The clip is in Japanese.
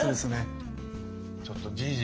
ちょっとじいじ！